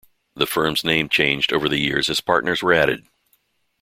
The firm's name changed over the years as partners were added.